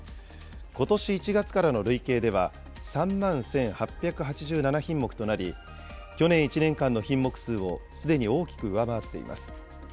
ことし１月からの累計では、３万１８８７品目となり、去年１年間の品目数をすでに大きく上回っています。